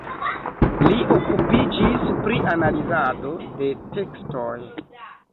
Li okupiĝis pri analizado de tekstoj.